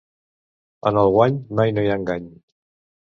En el guany mai no hi ha engany.